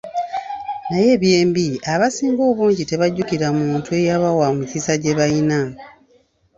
Naye eby’embi, abasinga obungi tebajjukira muntu eyabawa emikisa gye balina.